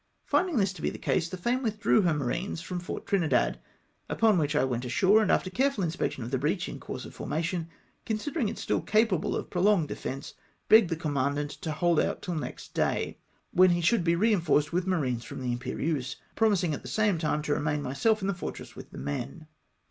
Finding this to be the case, the Fame withdrew her marines from Fort Trinidad, upon which I went ashore, and after careful inspection of the breach in course of formation, considering it still capable of prolonged de fence, beo o ed the commandant to hold out tiU next day, when he should be reinforced with marines from the Imperieuse, promising at the same time to remam myself in the fortress with the men.